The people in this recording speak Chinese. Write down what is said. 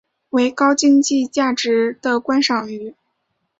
为高经济价值的观赏鱼。